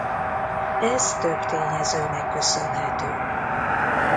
Ez több tényezőnek köszönhető.